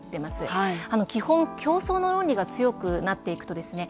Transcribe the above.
あの基本競争の論理が強くなっていくとですね